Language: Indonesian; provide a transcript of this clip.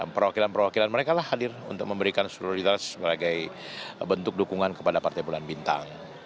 perwakilan perwakilan mereka lah hadir untuk memberikan solidaritas sebagai bentuk dukungan kepada partai bulan bintang